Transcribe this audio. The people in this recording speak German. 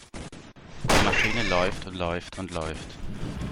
Die Maschine läuft und läuft und läuft.